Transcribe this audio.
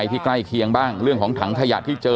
ใกล้เคียงบ้างเรื่องของถังขยะที่เจอ